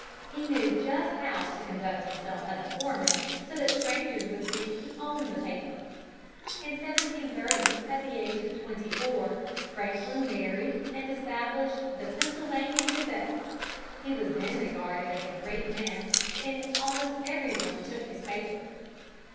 He knew just how to conduct himself as a foreman so that strangers would think he owned the paper. [Illustration: FRANKLIN AS FOREMAN.] In 1730, at the age of twenty four, Franklin married, and established the Pennsylvania Gazette. He was then regarded as a great man, and almost every one took his paper.